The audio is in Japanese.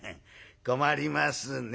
困りますね